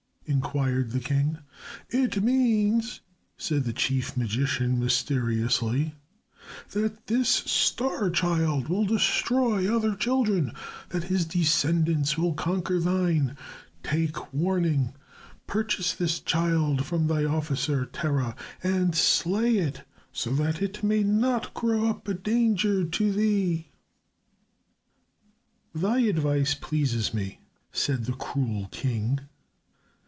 inquired the king. "It means," said the chief magician, mysteriously, "that this star child will destroy other children, that his descendants will conquer thine. Take warning. Purchase this child from thy officer, Terah, and slay it so that it may not grow up a danger to thee." "Thy advice pleases me," said the cruel king.